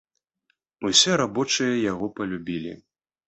Усе рабочыя яго палюбілі.